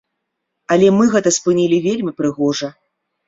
Але мы гэта спынілі вельмі прыгожа.